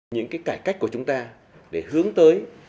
những cái cải cách của chúng ta để hướng tới